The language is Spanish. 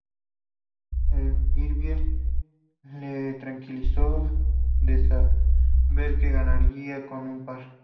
El birdie le tranquilizó de saber que ganaría con un par.